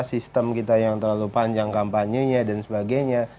ada yang menyebabkan kita yang terlalu panjang kampanye dan sebagainya